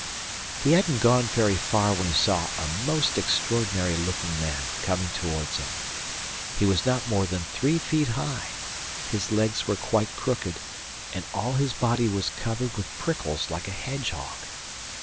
He hadn't gone very far when he saw a most extraordinary looking man coming towards him. He was not more than three feet high, his legs were quite crooked, and all his body was covered with prickles like a hedgehog.